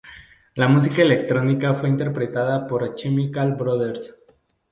La música electrónica fue interpretada por Chemical Brothers.